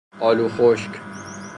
آلو خشک